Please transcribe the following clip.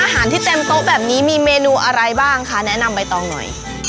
ที่เต็มโต๊ะแบบนี้มีเมนูอะไรบ้างคะแนะนำใบตองหน่อย